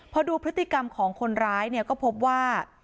พอดูพฤติกรรมของคนร้ายเนี่ยก็พบว่า